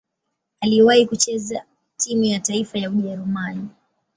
Aliwahi kucheza timu ya taifa ya Ujerumani.